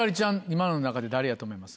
今の中で誰やと思います？